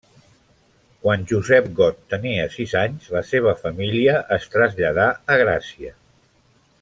Quan Josep Got tenia sis anys, la seva família es traslladà a Gràcia.